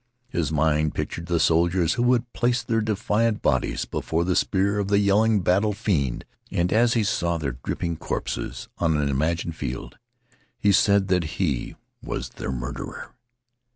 His mind pictured the soldiers who would place their defiant bodies before the spear of the yelling battle fiend, and as he saw their dripping corpses on an imagined field, he said that he was their murderer.